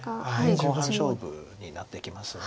後半勝負になってきます。